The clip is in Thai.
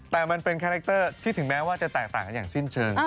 แต่มันเป็นคาแรคเตอร์ที่ถึงแม้ว่าจะแตกต่างกันอย่างสิ้นเชิง